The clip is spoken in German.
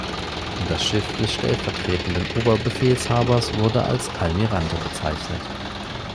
Das Schiff des stellvertretenden Oberbefehlshaber wurde als „Almirante“ bezeichnet.